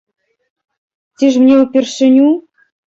Ці ж мне ўпершыню?